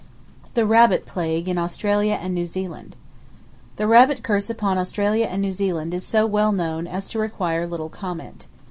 The Rabbit Plague In Australia And New Zealand. —The rabbit curse upon Australia and New Zealand is so well known as to require little comment.